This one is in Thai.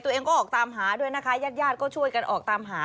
ตัวเองก็ออกตามหาด้วยนะคะญาติญาติก็ช่วยกันออกตามหา